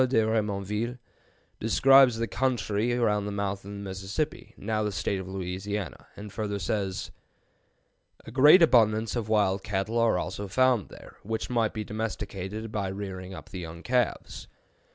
de Remonville, describes the country around the mouth of the Mississippi, now the State of Louisiana, and further says: "A great abundance of wild cattle are also found there, which might be domesticated by rearing up the young calves."